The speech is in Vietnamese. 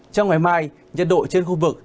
trong ngày mai nhật độ trên khu vực